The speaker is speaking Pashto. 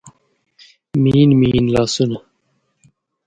میین، میین لاسونه